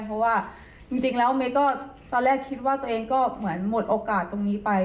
เพราะว่าจริงแล้วเมย์ก็ตอนแรกคิดว่าตัวเองก็เหมือนหมดโอกาสตรงนี้ไป